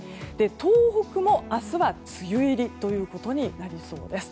東北も明日は梅雨入りということになりそうです。